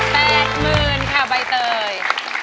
หมื่นค่ะใบเตย